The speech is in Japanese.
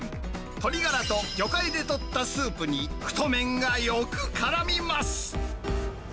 鶏がらと魚介で取ったスープに、太麺がよくからみます。